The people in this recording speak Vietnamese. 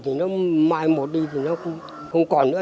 thì nó mai một đi thì nó không còn nữa